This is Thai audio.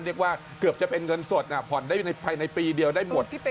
เรียกว่าเกือบจะเป็นเงินสดผ่อนได้ภายในปีเดียวได้หมด